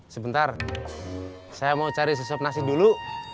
sebentar saya mau cari susup nasi dulu